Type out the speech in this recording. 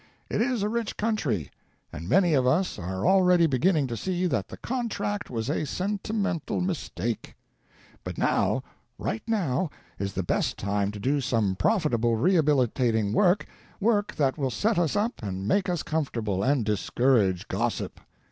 It is a rich country, and many of us are already beginning to see that the contract was a sentimental mistake. But now — right now — is the best time to do some profitable rehabilitating work — work that will set us up and make us comfortable, and discourage gossip.